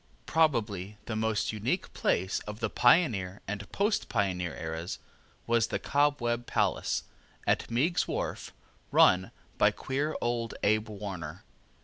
Probably the most unique place of the pioneer and post pioneer eras was the Cobweb Palace, at Meiggs's Wharf, run by queer old Abe Warner.